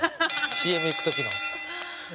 ＣＭ行く時の。